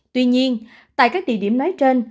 tuy nhiên tại các địa điểm nói trên